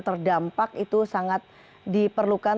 terdampak itu sangat diperlukan